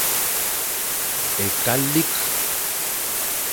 Ekalik.